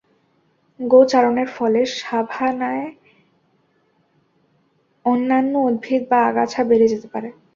গো-চারণের ফলে সাভানায় অন্যান্য উদ্ভিদ বা আগাছা বেড়ে যেতে পারে।